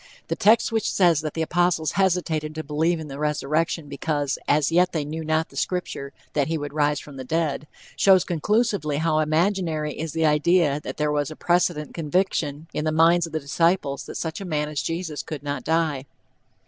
The text which says that the apostles hesitated to believe in the resurrection because "as yet they knew not the scripture, that he would rise from the dead," shows conclusively how imaginary is the idea that there was a "precedent conviction" in the minds of the disciples that such a man as Jesus could not die.